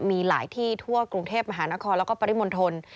มีหลายที่ทั่วกรุงเทพมหานครแล้วก็ปริมณฑล